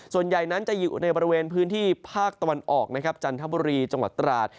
ส่วนใหญ่นั้นจะอยู่ในบริเวณพื้นที่ภาคตะวันออกนะครับจันทบุรีจังหวัดตราด